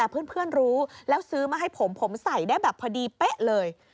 เพื่อนรู้แล้วซื้อมาให้ผมผมใส่ได้แบบพอดีเป๊ะเลย